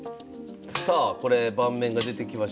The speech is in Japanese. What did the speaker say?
さあこれ盤面が出てきました。